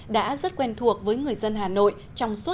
đã rất quen thuộc với người dân hà nội trong suốt hàng triệu năm